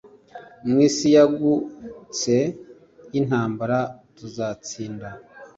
mu isi yagutse y'intambara tuzatsinda